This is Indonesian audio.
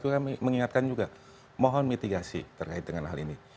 kami mengingatkan juga mohon mitigasi terkait dengan hal ini